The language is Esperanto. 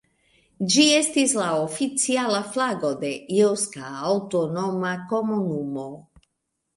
Ĝi estis la oficiala flago de Eŭska Aŭtonoma Komunumo.